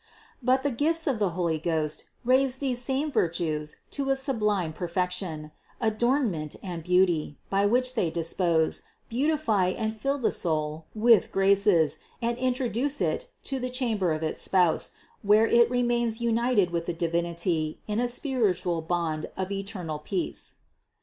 But the gifts of the Holy Ghost raise these same virtues to a sublime perfection, adornment and beauty, by which they dispose, beautify and fill the soul with graces and intro duce it to the chamber of its Spouse, where it remains united with the Divinity in a spiritual bond of eternal peace.